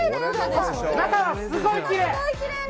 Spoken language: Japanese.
中はすごいきれい！